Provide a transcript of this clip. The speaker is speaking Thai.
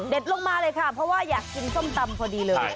ลงมาเลยค่ะเพราะว่าอยากกินส้มตำพอดีเลย